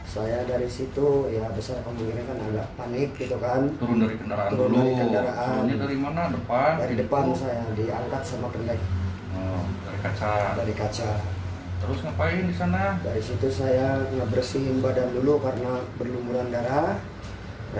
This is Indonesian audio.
saya bersihin badan dulu karena berlumuran darah